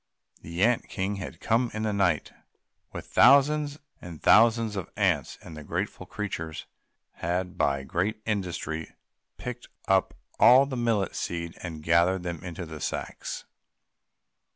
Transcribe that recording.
The ant king had come in the night with thousands and thousands of ants, and the grateful creatures had by great industry picked up all the millet seed and gathered them into the sacks.